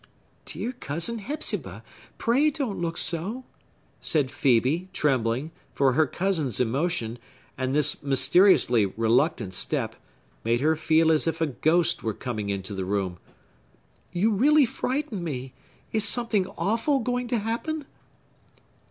"Dear Cousin Hepzibah, pray don't look so!" said Phœbe, trembling; for her cousin's emotion, and this mysteriously reluctant step, made her feel as if a ghost were coming into the room. "You really frighten me! Is something awful going to happen?"